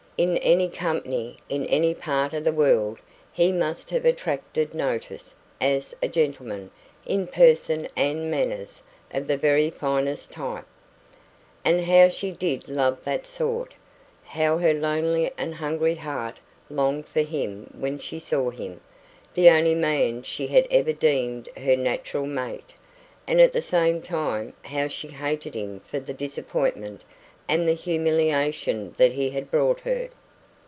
In any company, in any part of the world, he must have attracted notice, as a gentleman, in person and manners, of the very finest type. And how she did love that sort! How her lonely and hungry heart longed for him when she saw him the only man she had ever deemed her natural mate and at the same time how she hated him for the disappointment and the humiliation that he had brought her!